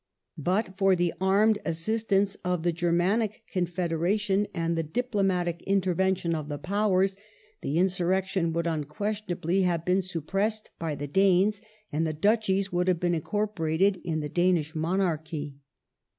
But for the armed assistance of the Ger manic Confederation and the diplomatic intervention of the Powers, the insurrection would unquestionably have been suppressed by the Danes, and the Duchies would have been incorporated in the Danish Monarchy.